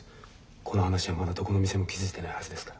この話はまだどこの店も気付いてないはずですから。